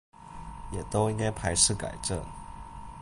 也都應該排斥改正